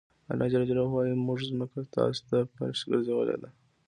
الله ج وایي موږ ځمکه تاسو ته فرش ګرځولې ده.